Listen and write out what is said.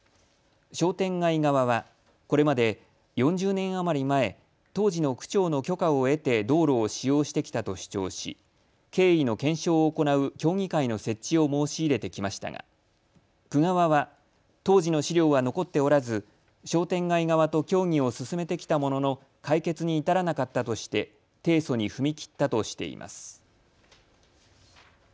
商店街側はこれまで４０年余り前、当時の区長の許可を得て道路を使用してきたと主張し経緯の検証を行う協議会の設置を申し入れてきましたが区側は当時の資料は残っておらず商店街側と協議を進めてきたものの解決に至らなかったとして提訴に踏み切ったとしています。